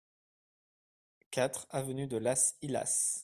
quatre avenue de Las Illas